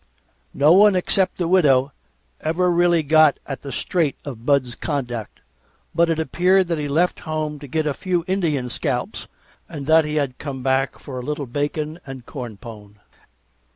No one except the Widow ever really got at the straight of Bud's conduct, but it appeared that he left home to get a few Indians scalps, and that he came back for a little bacon and corn pone.